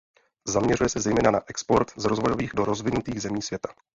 Zaměřuje se zejména na export z rozvojových do rozvinutých zemí světa.